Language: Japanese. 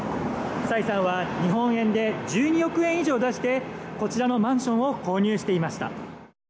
サイさんは日本円で１２億円以上出してこちらのマンションを購入していました。